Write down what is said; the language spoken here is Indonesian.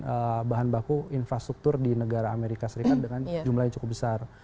tapi mereka juga membutuhkan bahan baku infrastruktur di negara amerika serikat dengan jumlahnya cukup besar